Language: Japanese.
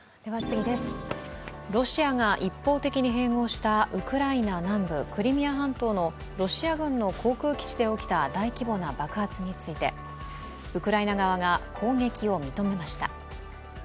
ロシアが一方的に併合したウクライナ南部クリミア半島のロシア軍の航空基地で起きた大規模な爆発について、ウクライナ側が攻撃を認めました。